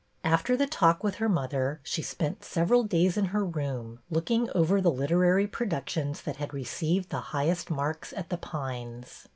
After the talk with her mother, she spent sev eral days in her room, looking over the literary productions that had received the highest marks at The Pines.